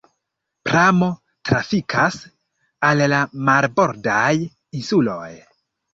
Pramo trafikas al la marbordaj insuloj.